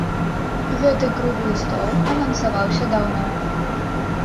Гэты круглы стол анансаваўся даўно.